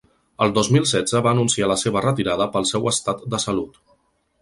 El dos mil setze va anunciar la seva retirada pel seu estat de salut.